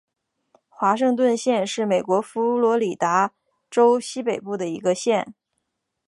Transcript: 华盛顿县是美国佛罗里达州西北部的一个县。